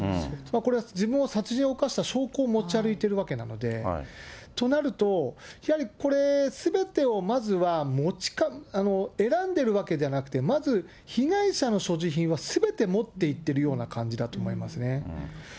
これ、自分を殺人を犯した証拠を持ち歩いているわけなので、となると、やはりこれ、すべてをまずは、選んでるわけじゃなくて、まず被害者の所持品をすべて持っていってるような感じだと思いますね。